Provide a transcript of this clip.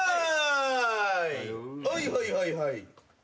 はいはいはいはい。